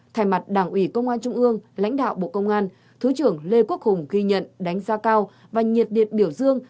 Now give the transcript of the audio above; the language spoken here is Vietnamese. thay mặt đảng ủy công an trung ương lãnh đạo bộ công an thứ trưởng lê quốc hùng ghi nhận đánh giá cao và nhiệt liệt biểu dương